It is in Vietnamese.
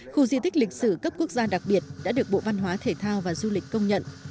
khu di tích lịch sử cấp quốc gia đặc biệt đã được bộ văn hóa thể thao và du lịch công nhận